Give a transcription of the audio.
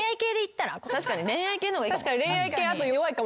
確かに恋愛系の方がいいかも。